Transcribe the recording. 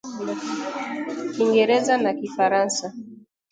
Kiingereza na Kifaransa